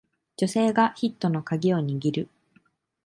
女性がヒットのカギを握る